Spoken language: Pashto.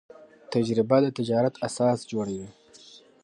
تجربه د تجارت اساس جوړوي.